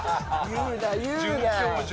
言うな。